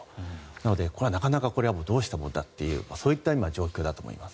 なのでこれはなかなかどうしたものだというそういった今、状況だと思います。